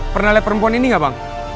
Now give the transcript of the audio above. pernah lihat perempuan ini gak bang